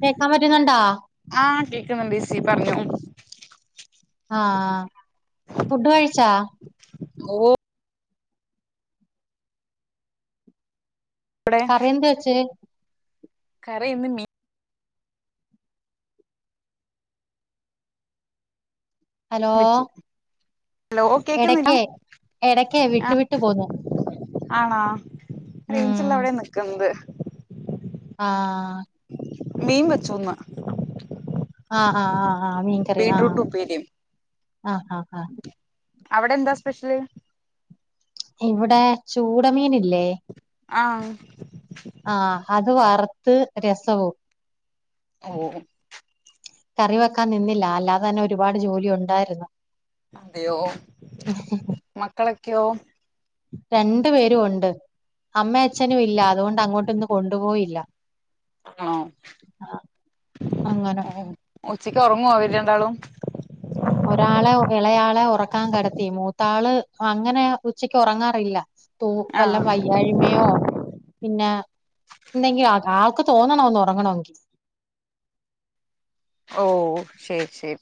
കേൾക്കാൻ പറ്റുന്നുണ്ടോ ആഹ് കേക്കുന്നുണ്ട് ചേച്ചി പറഞ്ഞോ ആഹ് ഫുഡ് കഴിചൊ ഓ ഇവിടെ കറിയ എന്ത്‌ വെച്ച് കറി ഇന്ന് മീ ഹലോ വെച്ചു ഹലോ കേക്കുന്നില്ല എടക്കേ എടക്ക് വിട്ടു വിട്ടു പോന്നു ആണോ റേയ്ഞ്ചുള്ള ഉം എവിടെയാ നിക്കണത് ആഹ് മീൻ വെച്ചു ഇന്ന് ആഹ് ആഹ് ആഹ് ആഹ് മീൻ കറിയ ആഹ് ബീട്രൂട്ട് ഉപ്പേരിയും ആഹ് ആഹ് ആഹ അവിടെ എന്താ സ്പെഷ്യല് ഇവിടെ ചൂട മീനില്ലേ ആഹ് ആഹ് അത് വറുത്ത് രസവും ഓഹ് കറി വെക്കാൻ നിന്നില്ല അല്ലാതെ തന്നെ ഒരുപാട് ജോലി ഒണ്ടായിരുന്നു അതെയോ മക്കളൊക്കെയോ രണ്ടു പേരും ഒണ്ട് അമ്മ അച്ഛനും ഇല്ല അതുകൊണ്ട് അങ്ങോട്ട് ഇന്ന് കൊണ്ടുപോയില്ല ആണോ ആ, അങ്ങനെ ഉച്ചക്ക് ഒറങ്ങുവോ അവര് രണ്ടാളും ഒരാളെ എളയാളെ ഒറക്കാൻ കെടത്തി മൂത്താള് അങ്ങനെ ഉച്ചക്ക് ഒറങ്ങാറില്ല തൂ വല്ല ആഹ് വയ്യാഴ്മയോ പിന്നെ എന്തെങ്കി ആൾക്ക് തോനണം ഒന്ന് ഒറങ്ങണോങ്കി ഓഹ് ശരി ശരി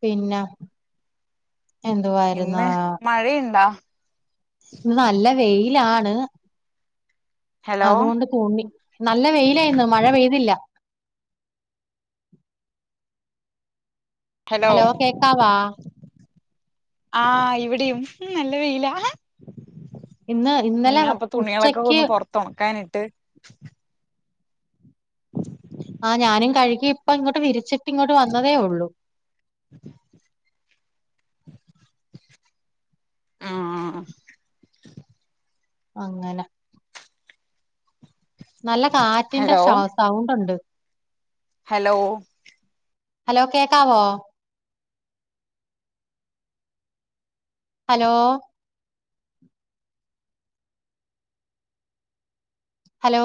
പിന്നെ എന്തുവായിരുന്നു ഇന്ന് മഴയുണ്ടാ ഇന്ന് നല്ല വെയിലാണ് ഹലോ അതുകൊണ്ട്- തുണി നല്ല വെയില ഇന്ന് മഴ പെയ്തില്ല ഹലോ കേക്കവാ ആഹ് ഇവിടെയും നല്ല വെയിലാ ഇന്ന് ഇന്നലെ ഞാൻ ഇപ്പൊ തുണികളൊക്കെ ഉച്ചക്ക് ഒന്ന് പൊറത്ത് ഒണക്കാനിട്ട് [unintelligible] ആഹ് ഞാനും കഴുകി ഇപ്പയിങ്ങോട്ട് വിരിച്ചിട്ട് ഇങ്ങോട്ട് വന്നതേയുള്ളൂ [inaudible] ആഹ് അങ്ങനെ നല്ല കാറ്റിന്റെ ഹലോ സൗണ്ട് ഉണ്ട് ഹലോ ഹലോ കേക്കാവോ ഹലോ ഹലോ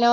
ഹലോ